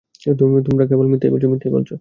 তোমরা কেবল মিথ্যাই বলছ।